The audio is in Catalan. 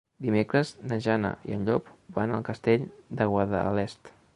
Dimecres na Jana i en Llop van al Castell de Guadalest.